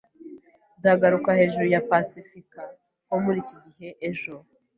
Nzaguruka hejuru ya pasifika nko muri iki gihe ejo.